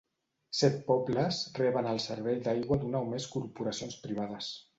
Set pobles reben el servei d'aigua d'una o més corporacions privades.